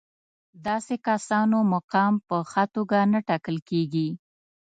داسې کسانو مقام په ښه توګه نه ټاکل کېږي.